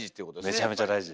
めちゃめちゃ大事です。